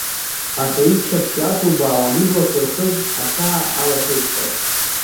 Аха иччаԥшь иаҵубаауан иблақәа ирхыз ахьаа, алахьеиқәҵара.